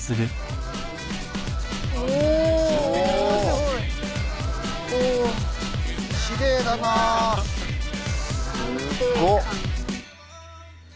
すごい。お！